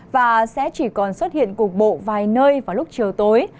và sẽ chỉ còn xuất hiện cục bộ vài nơi vào lúc chiều tối